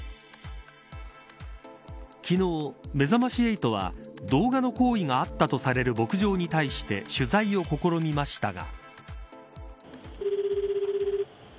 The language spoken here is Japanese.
昨日、めざまし８は動画の行為があったとされる牧場に対して取材を試みましたが。